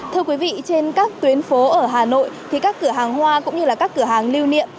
thưa quý vị trên các tuyến phố ở hà nội thì các cửa hàng hoa cũng như là các cửa hàng lưu niệm